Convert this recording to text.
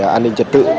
an ninh trật tự